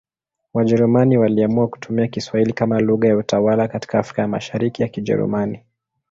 Wajerumani waliamua kutumia Kiswahili kama lugha ya utawala katika Afrika ya Mashariki ya Kijerumani.